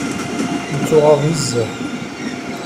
Nettuɣaḍ nezzeh.